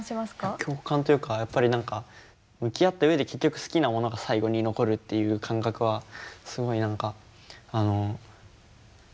共感というかやっぱり何か向き合った上で結局好きなものが最後に残るっていう感覚はすごい何か何て言うんでしょう